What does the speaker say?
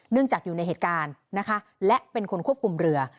จากอยู่ในเหตุการณ์นะคะและเป็นคนควบคุมเรือ